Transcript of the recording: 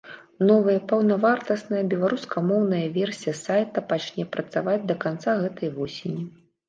Новая паўнавартасная беларускамоўная версія сайта пачне працаваць да канца гэтай восені.